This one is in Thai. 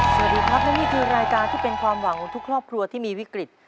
สวัสดีครับและนี่คือรายการที่เป็นความหวังของทุกครอบครัวที่มีวิกฤต